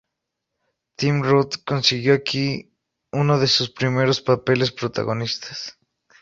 Tim Roth consiguió aquí uno de sus primeros papeles protagonistas.